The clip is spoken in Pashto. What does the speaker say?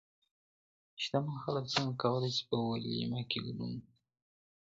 شتمن خلګ څنګه کولای سي په وليمه کي ګډون وکړي؟